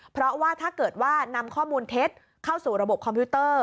เพราะว่าถ้าเกิดว่านำข้อมูลเท็จเข้าสู่ระบบคอมพิวเตอร์